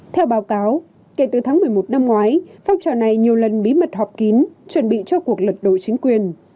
theo báo cáo kể từ tháng một mươi một năm ngoái phong trào này nhiều lần bí mật họp kín chuẩn bị cho cuộc lật đổ chính quyền